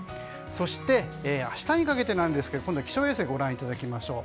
そして明日にかけてですが今度は気象衛星ご覧いただきましょう。